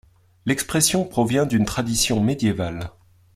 L'expression provient d'une tradition médiévale.